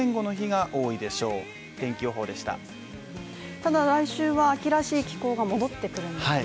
ただ来週は秋らしい気候が戻ってくるんですよね